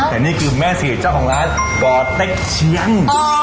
แต่นี่คือแม่ศรีเจ้าของร้านป่อเต็กเชียง